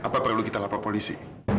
apa perlu kita lapor polisi